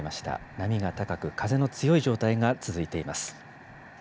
波が高く、風の強い状態が続いています。